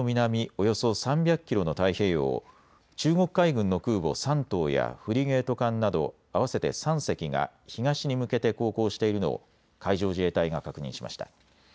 およそ３００キロの太平洋を中国海軍の空母山東やフリゲート艦など合わせて３隻が東に向けて航行しているのを海上自衛隊が確認しました。